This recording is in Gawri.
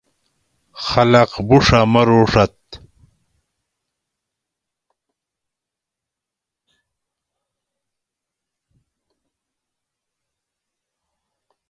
خلق بوڛہ مروگ ڛت